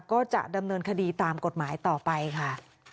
ก็จะดำเนินคดีตามกฎหมายต่อไปค่ะ